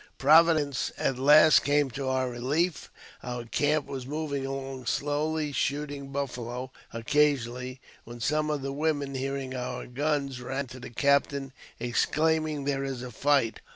Providence at last came to our rehef. Our camp was moving along slowly, shooting buffalo occasionally, when some of the women, hearing our guns, ran to the captain, exclaiming, " There is a fight.